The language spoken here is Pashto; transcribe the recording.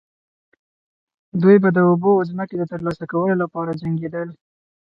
دوی به د اوبو او ځمکې د ترلاسه کولو لپاره جنګیدل.